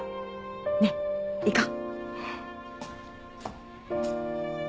ねっ行こう。